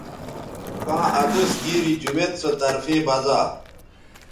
کاں ادوس گیری جمیت سو طرفے بزا